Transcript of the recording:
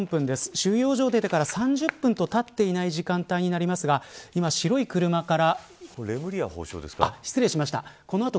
収容所を出てから３０分とたっていない時間帯になりますが今、白い車から。